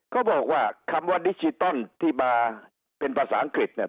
เขาบอกว่าคำว่าดิจิตอลที่มาเป็นภาษาอังกฤษเนี่ย